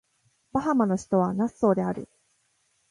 バハマの首都はナッソーである